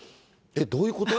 どういうこと？